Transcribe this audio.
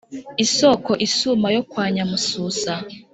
isoko isuma yo kwa nyamususa